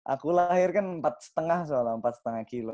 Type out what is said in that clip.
aku lahir kan empat lima soal empat lima kilo